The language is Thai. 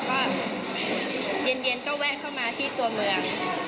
ก็เย็นก็แวะเข้ามาที่ตัวเมือง